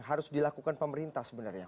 harus dilakukan pemerintah sebenarnya